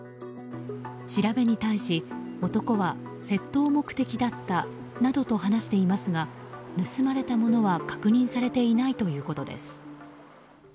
調べに対し、男は窃盗目的だったなどと話していますが盗まれたものは確認されていないということです。